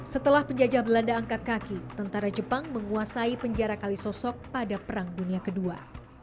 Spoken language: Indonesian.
setelah penjajah belanda angkat kaki tentara jepang menguasai penjara kalisosok pada perang dunia ii